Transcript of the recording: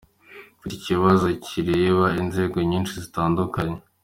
Mfite ikibazo kireba inzego nyinshi zitandukanye.